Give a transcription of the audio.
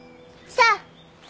さあ